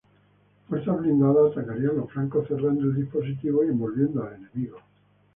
Fuerzas blindadas atacarían los flancos cerrando el dispositivo y envolviendo al enemigo.